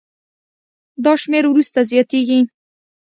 دا شمېر وروسته زیاتېږي.